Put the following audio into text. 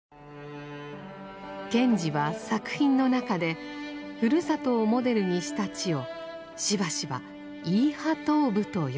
賢治は作品の中でふるさとをモデルにした地をしばしば「イーハトーブ」と呼んでいます。